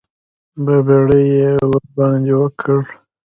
بابېړي یې ورباندې وکړ.